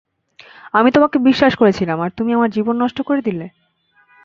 আমি তোমাকে বিশ্বাস করেছিলাম, আর তুমি আমার জীবন নষ্ট করে দিলে!